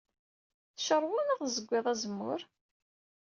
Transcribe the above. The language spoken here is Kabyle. Tcarweḍ neɣ tzeggiḍ azemmur?